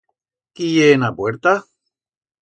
Quí ye en a puerta?